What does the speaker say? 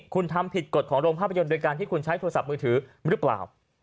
คุณทำผิดกฎของโรงภาพยนตร์โดยการที่คุณใช้โทรศัพท์มือถือหรือเปล่า